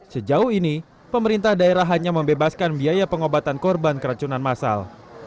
sejauh ini pemerintah daerah hanya membebaskan biaya pengobatan korban keracunan masal